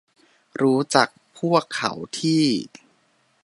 รู้จักพวกเขาที่